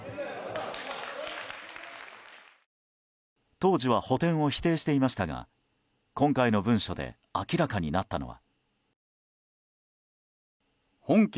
当時は補填を否定していましたが今回の文書で明らかになったのは。